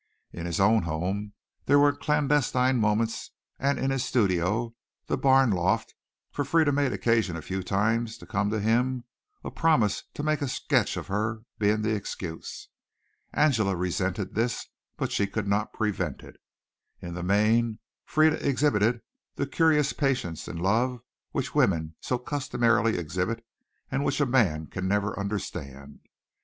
In his own home there were clandestine moments and in his studio, the barn loft, for Frieda made occasion a few times to come to him a promise to make a sketch of her being the excuse. Angela resented this, but she could not prevent it. In the main Frieda exhibited that curious patience in love which women so customarily exhibit and which a man can never understand.